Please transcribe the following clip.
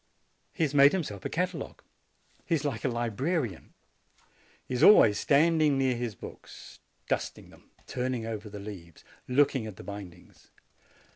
He has made himself a catalogue. He is like a libra 88 JANUARY rian. He is always standing near his books, dusting them, turning over the leaves, looking over the bind ings.